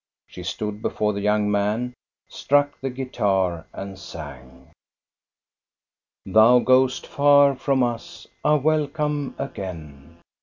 She stood before the young man, struck the guitar and sang :—" Thou goest far from us. Ah I welcome again